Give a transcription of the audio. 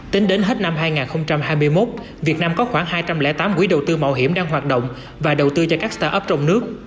tính đến hết năm hai nghìn hai mươi một việt nam có khoảng hai trăm linh tám quỹ đầu tư mạo hiểm đang hoạt động và đầu tư cho các start up trong nước